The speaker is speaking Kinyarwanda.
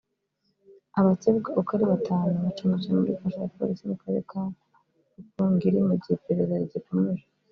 Abakekwa uko ari batanu bacumbikiwe muri kasho ya polisi mu karere ka Rukungiri mu gihe iperereza rigikomeje